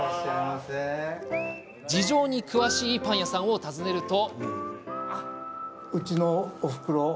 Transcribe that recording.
事情に詳しいパン屋さんを訪ねると。